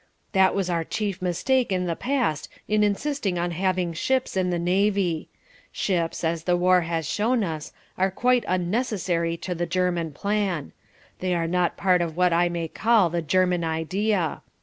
"That was our chief mistake in the past in insisting on having ships in the navy. Ships, as the war has shown us, are quite unnecessary to the German plan; they are not part of what I may call the German idea.